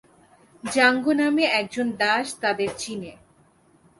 Zango নামে একজন দাস তাদের চিনে।